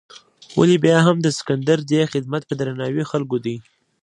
ولې بیا هم د سکندر دې خدمت په درناوي خلکو دی.